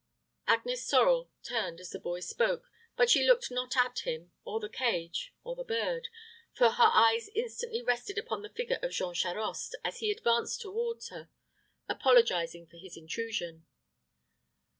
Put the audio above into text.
Agnes Sorel turned as the boy spoke, but she looked not at him, or the cage, or the bird, for her eyes instantly rested upon the figure of Jean Charost, as he advanced toward her, apologizing for his intrusion.